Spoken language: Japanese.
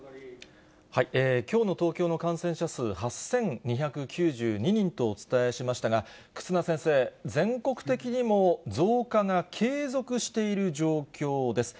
きょうの東京の感染者数、８２９２人とお伝えしましたが、忽那先生、全国的にも増加が継続している状況です。